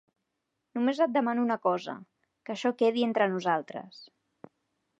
Només et demano una cosa, que això quedi entre nosaltres.